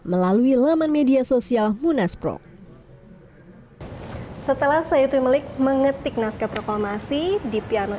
melalui laman media sosial munaspro setelah saya itu melihat mengetik nasca proklamasi di piano